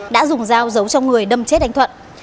đã dùng dao giấu trong người đâm chết anh thuận